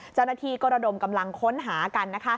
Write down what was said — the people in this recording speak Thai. เจ้าหน้าที่ก็ระดมกำลังค้นหากัน